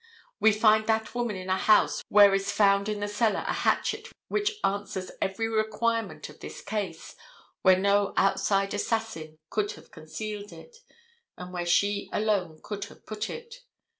We find that woman in a house where is found in the cellar a hatchet which answers every requirement of this case, where no outside assassin could have concealed it, and where she alone could have put it.